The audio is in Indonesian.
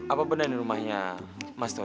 apa bener ini rumahnya mas toib